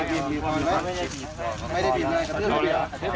ติดที